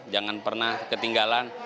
jangan pernah ketinggalan